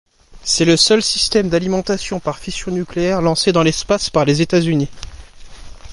C'est le seul système d'alimentation par fission nucléaire lancé dans l'espace par les États-Unis.